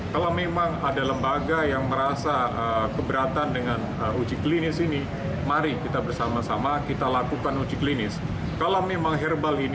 kalau memang ada lembaga yang merasa keberatan dengan uji klinis ini mari kita bersama sama kita lakukan uji klinis